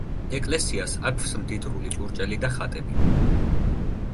ეკლესიას აქვს მდიდრული ჭურჭელი და ხატები.